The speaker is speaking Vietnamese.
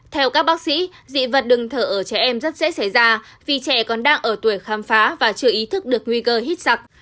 theo các bác sĩ dị vật đường thở ở trẻ em rất dễ xảy ra vì trẻ còn đang ở tuổi khám phá và chưa ý thức được nguy cơ hít sặc